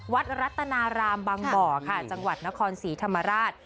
รัฐนารามบางบ่อค่ะจังหวัดนครศรีธรรมราช